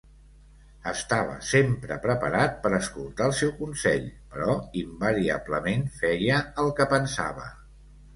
Estava sempre preparat per escoltar el seu consell, però invariablement feia el que pensava.